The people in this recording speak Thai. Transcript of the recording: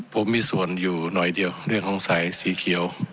ผมมีส่วนอยู่หน่อยเดียวเรื่องของสายสีเขียว